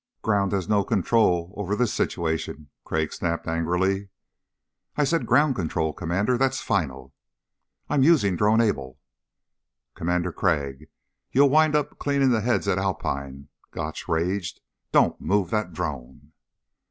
"Ground has no control over this situation," Crag snapped angrily. "I said ground control, Commander. That's final." "I'm using Drone Able." "Commander Crag, you'll wind up cleaning the heads at Alpine," Gotch raged. "Don't move that Drone."